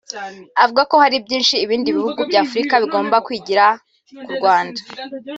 avuga ko hari byinshi ibindi bihugu bya Afurika bigomba kwigira ku Rwanda